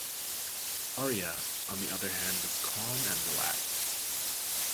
Aria, on the other hand, is calm and relaxed.